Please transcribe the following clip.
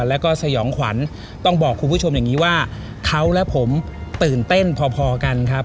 แล้วก็สยองขวัญต้องบอกคุณผู้ชมอย่างนี้ว่าเขาและผมตื่นเต้นพอกันครับ